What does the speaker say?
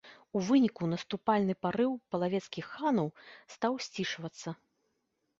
У выніку наступальны парыў палавецкіх ханаў стаў сцішвацца.